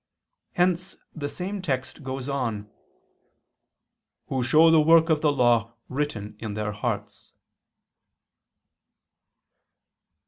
Hence the same text goes on: "Who show the work of the law written in their hearts."